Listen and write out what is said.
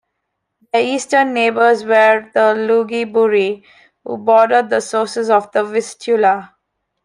Their eastern neighbours were the Lugi Buri, who bordered the sources of the Vistula.